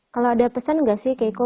kalau ada pesan gak sih keiko